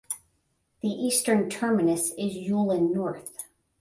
The eastern terminus is Yulin North.